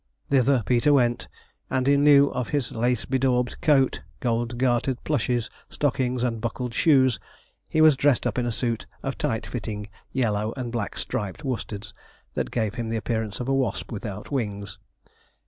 Thither Peter went, and in lieu of his lace bedaubed coat, gold gartered plushes, stockings, and buckled shoes, he was dressed up in a suit of tight fitting yellow and black striped worsteds, that gave him the appearance of a wasp without wings.